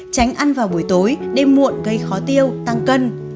tránh ăn vào buổi tối đêm muộn gây khó tiêu tăng cân